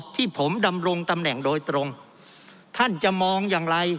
ที่ผมดำรงตำแหน่งโดยตรงท่านจะมองอย่างไร